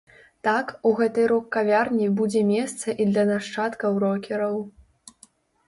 Так, у гэтай рок-кавярні будзе месца і для нашчадкаў рокераў.